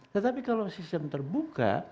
tetapi kalau sistem terbuka